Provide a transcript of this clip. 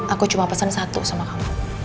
aku cuma pesen satu sama kamu